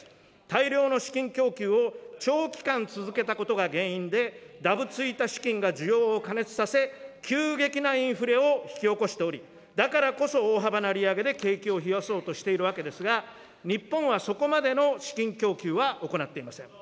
大量の資金供給を長期間続けたことが原因で、だぶついた資金が需要を過熱させ、急激なインフレを引き起こしており、だからこそ、大幅な利上げで景気を冷やそうとしているわけですが、日本はそこまでの資金供給は行っていません。